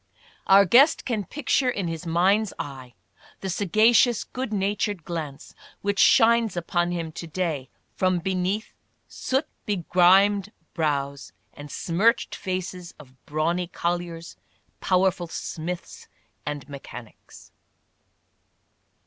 Our guest can picture in his mind's eye the sagacious, good natured glance which shines upon him to day from beneath soot begrimed brows and smirched faces of brawny colliers, powerful smiths and mechanics.